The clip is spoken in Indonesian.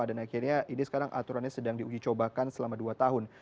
dan akhirnya ini sekarang aturannya sedang diuji cobakan selama dua tahun